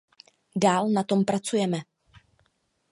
Dál na tom pracujeme.